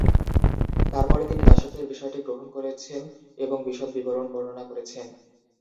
তারপরে তিনি দাসত্বের বিষয়টি গ্রহণ করেছেন এবং বিশদ বিবরণ বর্ণনা করেছেন।